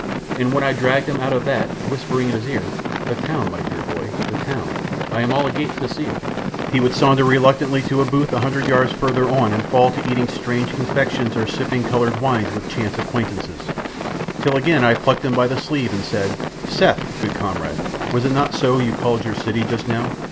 And when I dragged him out of that, whispering in his ear, "The town, my dear boy! the town! I am all agape to see it," he would saunter reluctantly to a booth a hundred yards further on and fall to eating strange confections or sipping coloured wines with chance acquaintances, till again I plucked him by the sleeve and said: "Seth, good comrade was it not so you called your city just now?